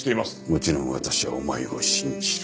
もちろん私はお前を信じる。